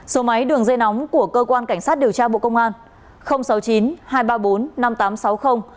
số máy đường dây nóng của cơ quan cảnh sát điều tra bộ công an